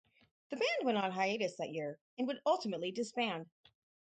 The band went on hiatus that year, and would ultimately disband.